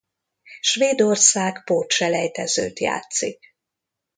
Svédország pótselejtezőt játszik.